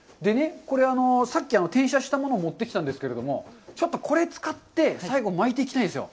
これ、さっき転写したものを持ってきたんですけども、ちょっとこれ使って、最後巻いていきたいんですよ。